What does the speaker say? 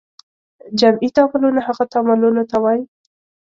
جمعي تعاملونه هغه تعاملونو ته وایي.